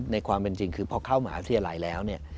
ในความเป็นจริงคือพอเข้ามาเมาส์ทะเลแล้ว